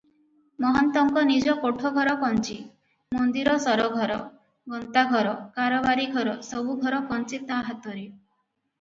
ମହନ୍ତଙ୍କ ନିଜ କୋଠଘର କଞ୍ଚି, ମନ୍ଦିର ସରଘର, ଗନ୍ତାଘର, କାରବାରୀ ଘର, ସବୁଘର କଞ୍ଚି ତା ହାତରେ ।